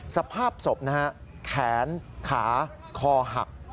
สภาพศพนะฮะแขนขาคอหัก